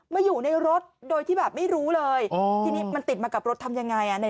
มาอยู่ในรถโดยที่แบบไม่รู้เลยทีนี้มันติดมากับรถทำยังไง